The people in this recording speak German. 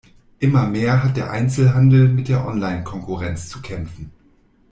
Immer mehr hat der Einzelhandel mit der Online-Konkurrenz zu kämpfen.